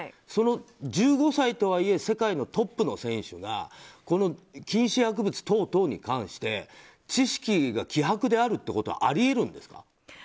その１５歳とはいえ世界のトップの選手がこの禁止薬物等々に関して知識が希薄であるということはあり得るんですか？